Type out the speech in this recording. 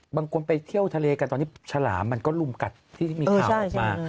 ไปเที่ยวทะเลกันตอนนี้ฉลามมันก็ลุมกัดที่มีข่าวออกมา